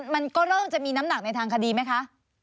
มันก็เริ่มจะมีน้ำหนักในทางคดีไหมคะ